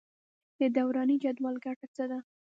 د دوراني جدول ګټه څه ده.